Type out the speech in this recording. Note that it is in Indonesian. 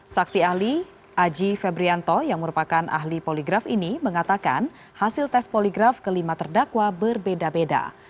saksi ahli aji febrianto yang merupakan ahli poligraf ini mengatakan hasil tes poligraf kelima terdakwa berbeda beda